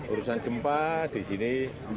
urusan gempa di sini